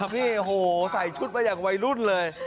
นี่โหใส่ชุดมาอย่างวัยรุ่นเลย